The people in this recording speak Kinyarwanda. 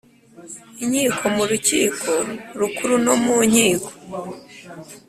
inkiko mu Rukiko Rukuru no mu Nkiko